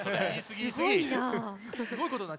すごいな。